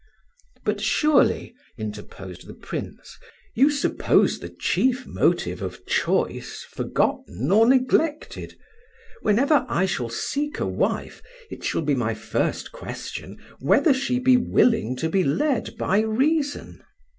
"But surely," interposed the Prince, "you suppose the chief motive of choice forgotten or neglected. Whenever I shall seek a wife, it shall be my first question whether she be willing to be led by reason."